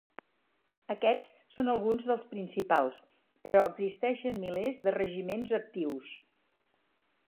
Aquests són alguns dels principals, però existeixen milers de regiments actius.